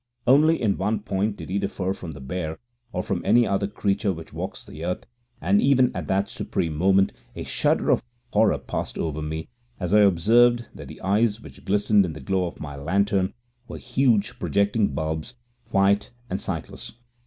Only in one point did he differ from the bear, or from any other creature which walks the earth, and even at that supreme moment a shudder of horror passed over me as I observed that the eyes which glistened in the glow of my lantern were huge, projecting bulbs, white and sightless.